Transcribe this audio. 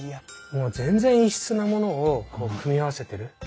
もう全然異質なものをこう組み合わせてる。